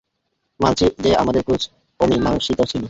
মানছি যে আমাদের খোঁজ অমিমাংসিত ছিল।